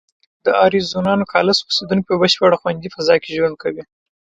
د اریزونا نوګالس اوسېدونکي په بشپړه خوندي فضا کې ژوند کوي.